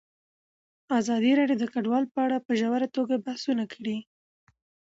ازادي راډیو د کډوال په اړه په ژوره توګه بحثونه کړي.